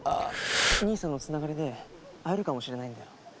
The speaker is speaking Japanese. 兄さんのつながりで会えるかもしれないんだよ。